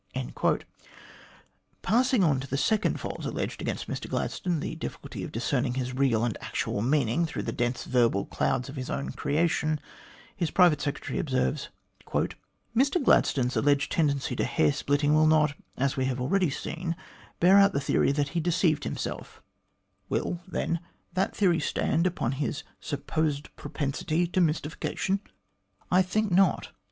"' Passing on to the second fault alleged against Mr Gladstone the difficulty of discerning his real and actual meaning through the dense verbal clouds of his own creation his private secretary observes :" Mr Gladstone's alleged tendency to hair splitting will not, as we have already seen, bear out the theory that he deceived himself ; will, then, that theory stand upon his supposed propensity to 166 THE GLADSTONE COLONY mystification 1 I think not.